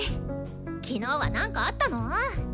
昨日はなんかあったの？